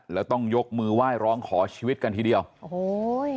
แล้วต้องยกมือไหว้ร้องขอชีวิตกันทีเดียวโอ้โห